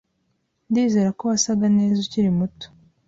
Ndizera ko wasaga neza ukiri muto